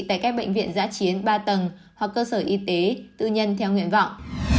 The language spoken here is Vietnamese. tại các bệnh viện giã chiến ba tầng hoặc cơ sở y tế tư nhân theo nguyện vọng